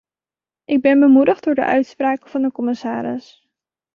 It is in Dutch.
Ik ben bemoedigd door de uitspraken van de commissaris.